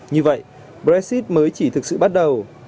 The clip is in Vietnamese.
như vậy brexit mới chỉ thực sự bắt đầu